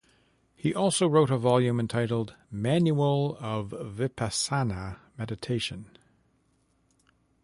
He also wrote a volume entitled "Manual of Vipassana Meditation".